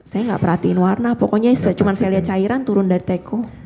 saya nggak perhatiin warna pokoknya cuma saya lihat cairan turun dari teko